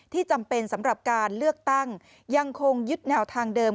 จำเป็นสำหรับการเลือกตั้งยังคงยึดแนวทางเดิม